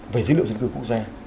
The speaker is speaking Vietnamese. về dữ liệu dân cư quốc gia